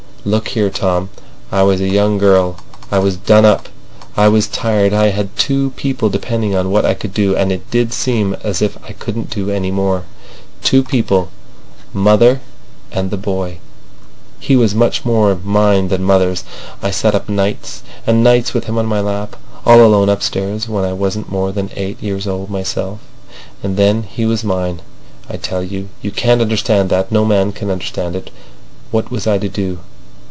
"Look here, Tom! I was a young girl. I was done up. I was tired. I had two people depending on what I could do, and it did seem as if I couldn't do any more. Two people—mother and the boy. He was much more mine than mother's. I sat up nights and nights with him on my lap, all alone upstairs, when I wasn't more than eight years old myself. And then—He was mine, I tell you. ... You can't understand that. No man can understand it. What was I to do?